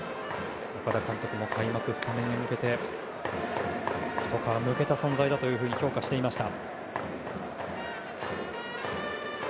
岡田監督も開幕スタメンに向けてひと皮むけた存在だと評価していました。